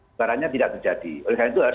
sebarannya tidak terjadi oleh karena itu